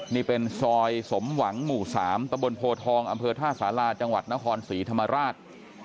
นี่เป็นซอยสมหวังหมู่๓ตะบนโพทองอำเภอท่าสาราจังหวัดนครศรีธรรมราช